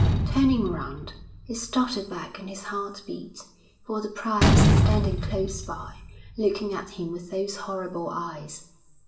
Turning round, he started back and his heart beat, for the prior was standing close by, looking at him with those horrible eyes.